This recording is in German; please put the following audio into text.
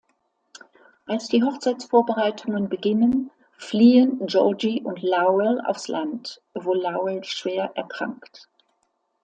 Als die Hochzeitsvorbereitungen beginnen, fliehen Georgie und Lowell aufs Land, wo Lowell schwer erkrankt.